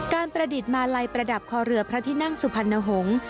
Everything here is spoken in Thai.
ประดิษฐ์มาลัยประดับคอเรือพระที่นั่งสุพรรณหงษ์